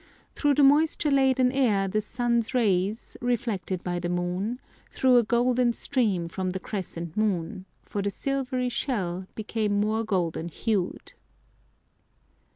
Through the moisture laden air the sun's rays, reflected by the moon, threw a golden stream from the crescent moon, for the silvery shell became more golden hued.